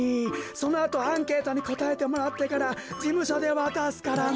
そのあとアンケートにこたえてもらってからじむしょでわたすからね。